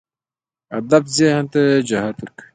هدف ذهن ته جهت ورکوي.